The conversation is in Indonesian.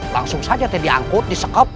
langsung saja diangkut disekop